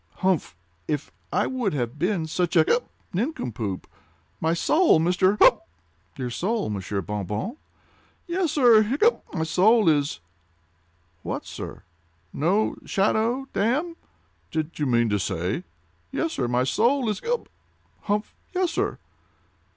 —humph! If I would have been such a—hiccup!—nincompoop! My soul, Mr.—humph!" "Your soul, Monsieur Bon Bon?" "Yes, sir—hiccup!—my soul is—" "What, sir?" "No shadow, damme!" "Did you mean to say—" "Yes, sir, my soul is—hiccup!—humph!—yes, sir."